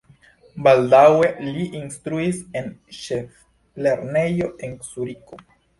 Baldaŭe li instruis en ĉeflernejo en Zuriko.